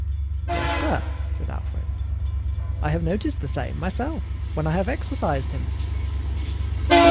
"Yes, sir," said Alfred, "I have noticed the same myself, when I have exercised him."